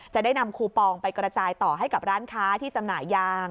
จะได้นำคูปองไปกระจายต่อให้กับร้านค้าที่จำหน่ายยาง